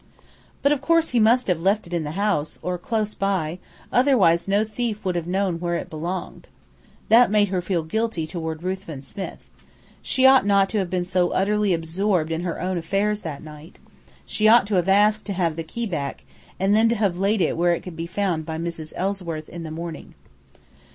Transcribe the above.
But of course he must have left it in the house, or close by, otherwise no thief would have known where it belonged. That made her feel guilty toward Ruthven Smith. She ought not to have been so utterly absorbed in her own affairs that night. She ought to have asked to have the key back, and then to have laid it where it could be found by Mrs. Ellsworth in the morning.